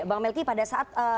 bang melky pada saat